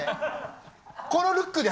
このルックで？